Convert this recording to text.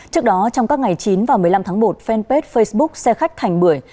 trước đó trong các ngày chín và một mươi năm tháng một fanpage facebook xe khách thành bưởi